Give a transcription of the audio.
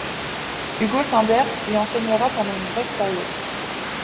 Hugo Simberg y enseignera pendant une brève période.